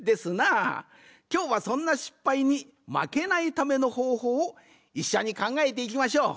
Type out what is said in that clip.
きょうはそんな失敗にまけないためのほうほうをいっしょにかんがえていきましょう。